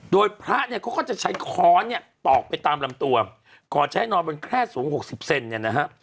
โดยพระเนี่ยเขาก็จะใช้คอตอกไปตามลำตัวก่อนจะให้นอนเป็นแค่สูง๖๐เซนต์เนี่ยนะฮะ